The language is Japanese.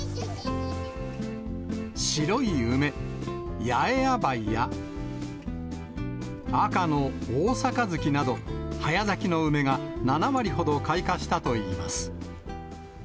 白い梅、八重野梅や、赤の大盃など、早咲きの梅が、７割ほど開花したといいます。